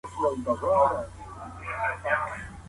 که په ښوونځي کي لابراتوار وي نو ساینسي تجربې په خپله وکړه.